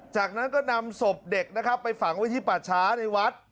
จากนั้นก็นำศพเด็กนะครับไปฝังไว้ที่ป่าช้าในวัด